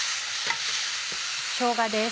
しょうがです。